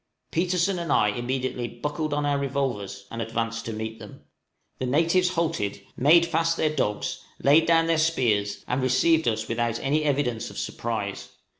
Petersen and I immediately buckled on our revolvers and advanced to meet them. The natives halted, made fast their dogs, laid down their spears, and received us without any evidence of surprise.